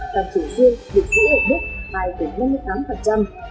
cảm chỉnh riêng được giữ ở đức hai năm mươi tám